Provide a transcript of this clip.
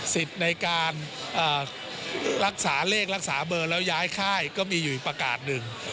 สิทธิ์ในการรักษาเลขรักษาเบอร์แล้วย้ายค่ายก็มีอยู่อีกประกาศหนึ่ง